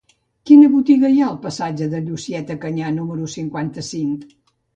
Quina botiga hi ha al passatge de Llucieta Canyà número cinquanta-cinc?